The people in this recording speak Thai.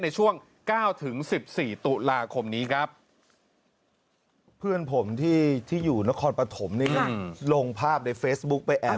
ในช่วง๙๑๔ตุลาคมนี้ครับ